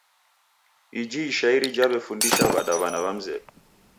Iji ishairi jaw'efundisha w'adaw'ana w'a mzedu.